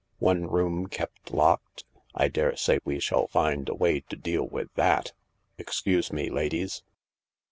One room kept locked ? I daresay we shall find a way to deal with that. Excuse me, ladies."